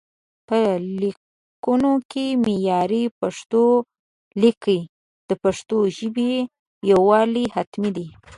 په ليکونو کې معياري پښتو ليکئ، د پښتو ژبې يووالي حتمي دی